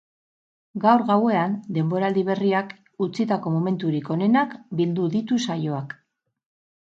Gaur gauean, denboraldi berriak utzitako momenturik onenak bildu ditu saioak.